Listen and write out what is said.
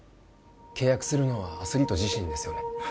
契約するのはアスリート自身ですよね